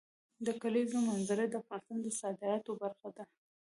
د کلیزو منظره د افغانستان د صادراتو برخه ده.